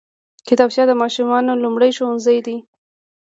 کتابچه د ماشوم لومړی ښوونځی دی